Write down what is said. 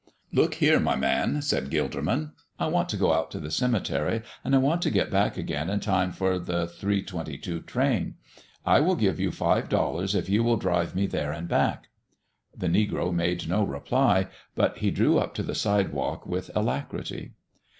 "Look here, my man," said Gilderman, "I want to go out to the cemetery, and I want to get back again in time for the three twenty two train. I will give you five dollars if you will drive me there and back." The negro made no reply, but he drew up to the sidewalk with alacrity.